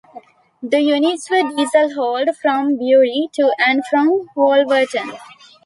The units were diesel hauled from Bury to and from Wolverton.